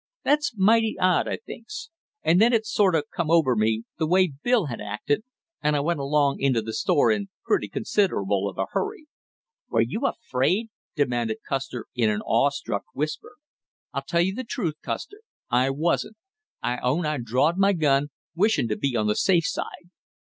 That's mighty odd, I thinks, and then it sort of come over me the way Bill had acted, and I went along into the store in pretty considerable of a hurry." "Were you afraid?" demanded Custer in an awe struck whisper. "I'll tell you the truth, Custer, I wasn't. I own I'd drawed my gun, wishing to be on the safe side.